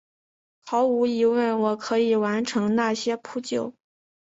毫无疑问我可以完成那些扑救！